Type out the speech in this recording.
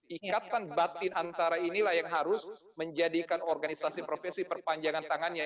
ikatan batin antara inilah yang harus menjadikan organisasi profesi perpanjangan tangannya